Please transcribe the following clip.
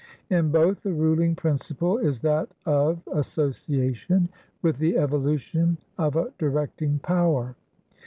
In both, the ruling principle is that of association, with the evolution of a directing power.